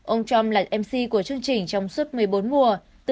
ông trump là mc của chương trình trong suốt một mươi bốn mùa